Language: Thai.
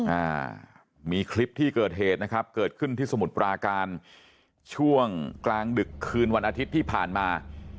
อ่ามีคลิปที่เกิดเหตุนะครับเกิดขึ้นที่สมุทรปราการช่วงกลางดึกคืนวันอาทิตย์ที่ผ่านมา